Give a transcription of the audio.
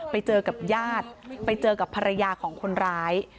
ไปเจอกับญาติไปเจอกับภรรยาของคนร้าย